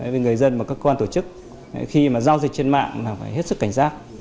với người dân và các quan tổ chức khi giao dịch trên mạng phải hết sức cảnh giác